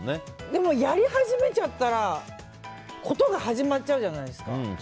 でも、やり始めちゃったら事が始まっちゃうじゃないですか。